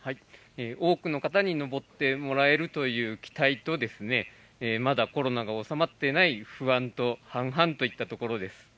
多くの方に登ってもらえるという期待とまだコロナが収まっていない不安と半々といったところです。